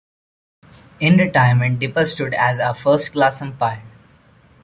In retirement, Dipper stood as a first-class umpire.